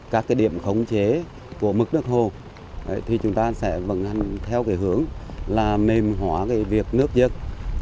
các cái điểm khống chế của mức nước hồ thì chúng ta sẽ vận hành theo cái hướng là mềm hỏa cái việc nước dân